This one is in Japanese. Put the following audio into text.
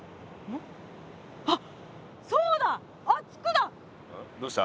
んっどうした？